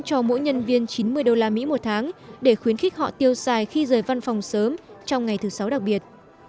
cho mỗi nhân viên chín mươi đô la mỹ một tháng để khuyến khích họ tiêu xài khi rời văn phòng sớm trong ngày thứ sáu đặc biệt